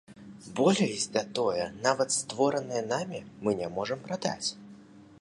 Болей за тое, нават створанае намі мы не можам прадаць.